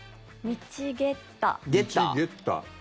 ミチゲッタ。